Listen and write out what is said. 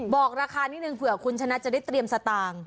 บอกราคานิดนึงเผื่อคุณชนะจะได้เตรียมสตางค์